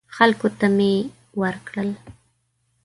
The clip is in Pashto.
خلکو ته مې ورکړل.